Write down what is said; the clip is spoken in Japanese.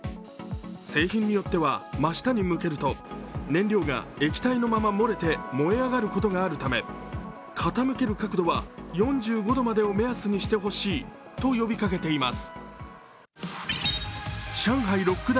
製品によっては、真下に向けると燃料が液体のまま漏れて燃え上がることがあるため、傾ける角度は４５度までを目安にしてほしいと呼びかけています。